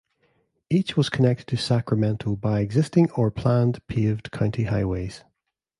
Each was connected to Sacramento by existing or planned paved county highways.